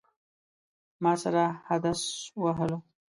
ما سره حدس وهلو.